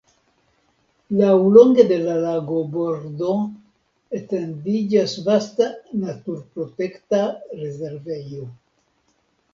Laŭlonge de la lagobordo etendiĝas vasta naturprotekta rezervejo.